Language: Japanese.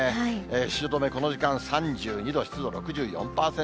汐留、この時間３２度、湿度６４％。